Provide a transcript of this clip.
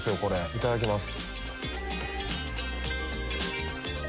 いただきます。